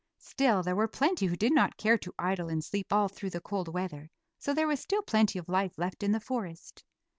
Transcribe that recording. Still, there were plenty who did not care to idle and sleep all through the cold weather, so there was still plenty of life left in the forest.